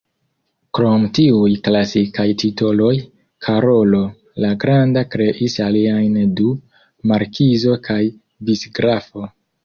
Krom tiuj "klasikaj" titoloj, Karolo la Granda kreis aliajn du: markizo kaj vicgrafo.